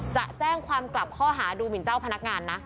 จะแจ้งความกลับข้อหาดูหมินเจ้าพนักงานนะ